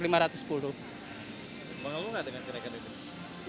mengeluh nggak dengan kenaikan itu